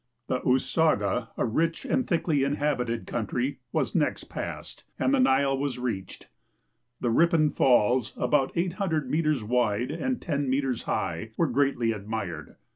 Tlie Usoga, a ricii anil thickly inhabited country, was next pa.ssed ami the Nile was reachetl. The Ripon falls, about SOO meters wide and 10 meters high, were greatly admired.